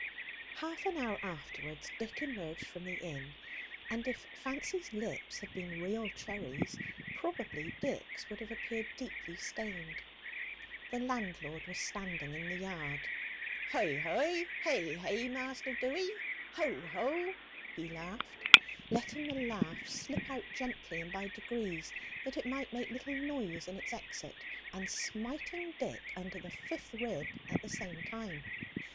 Half an hour afterwards Dick emerged from the inn, and if Fancy's lips had been real cherries probably Dick's would have appeared deeply stained. The landlord was standing in the yard. "Heu heu! hay hay, Master Dewy! Ho ho!" he laughed, letting the laugh slip out gently and by degrees that it might make little noise in its exit, and smiting Dick under the fifth rib at the same time.